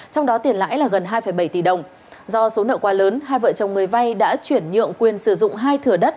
trong đó tiền lãi là gần hai bảy tỷ đồng do số nợ quá lớn hai vợ chồng người vay đã chuyển nhượng quyền sử dụng hai thửa đất